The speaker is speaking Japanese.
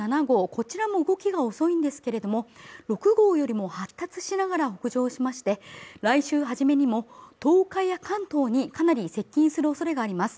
こちらも動きが遅いんですけれども６号よりも発達しながら北上しまして来週初めにも東海や関東にかなり接近するおそれがあります